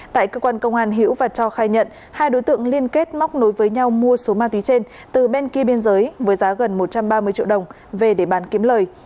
tại cơ quan công an hiễu và cho khai nhận hai đối tượng liên kết móc nối với nhau mua số ma túy trên từ bên kia biên giới với giá gần một trăm ba mươi triệu đồng về để bán kiếm lời